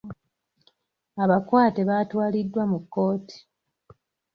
Abakwate baatwaliddwa mu kkooti.